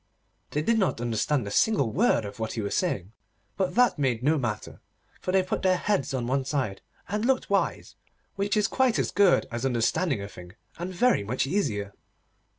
They did not understand a single word of what he was saying, but that made no matter, for they put their heads on one side, and looked wise, which is quite as good as understanding a thing, and very much easier.